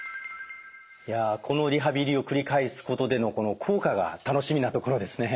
このリハビリを繰り返すことでの効果が楽しみなところですね。